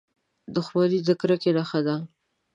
• دښمني د کرکې نښه ده.